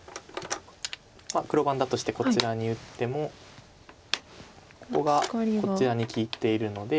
黒番だとしてこちらに打ってもここがこちらに利いているので。